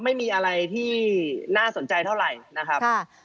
ไม่มีอะไรที่น่าสนใจเท่าไหร่นะครับ